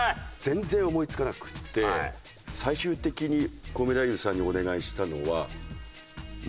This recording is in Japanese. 全然思い付かなくて最終的にコウメ太夫さんにお願いしたのは。